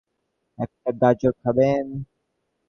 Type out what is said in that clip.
একটা গাজর খাবেন?